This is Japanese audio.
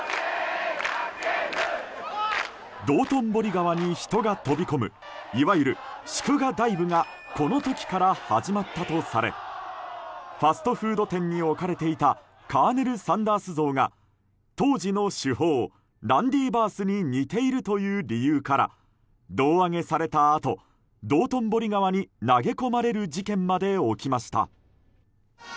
道頓堀川に人が飛び込むいわゆる祝賀ダイブがこの時から始まったとされファストフード店に置かれていたカーネル・サンダース像が当時の主砲ランディ・バースに似ているという理由から胴上げされたあと道頓堀川に投げ込まれる事件まで起きました。